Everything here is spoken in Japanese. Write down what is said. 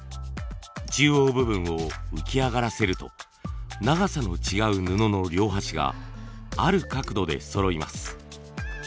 中央部分を浮き上がらせると長さの違う布の両端がある角度でそろいます。